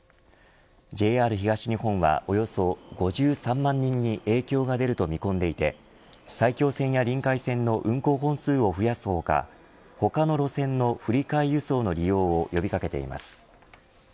ＪＲ東日本はおよそ５３万人に影響が出ると見込んでいて埼京線やりんかい線の運行本数を増やす他他の路線の振り替え輸送の利用を呼び掛けています。